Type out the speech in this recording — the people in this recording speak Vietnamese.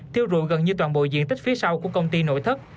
thiêu rụi gần như toàn bộ diện tích phía sau của công ty nội thất